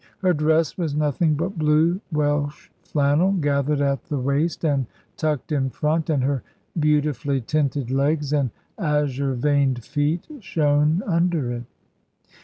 Her dress was nothing but blue Welsh flannel, gathered at the waist and tucked in front, and her beautifully tinted legs and azure veined feet shone under it.